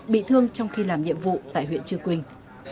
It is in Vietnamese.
bị thương trong khi làm nhiệm vụ tại huyện chư quynh